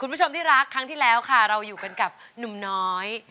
คุณผู้ชมที่รักครั้งที่แล้วค่ะเราอยู่กันกับหนุ่มน้อย